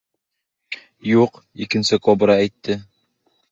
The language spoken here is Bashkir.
— Юҡ, икенсе кобра әйтте.